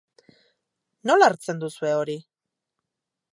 Nola hartzen duzue hori?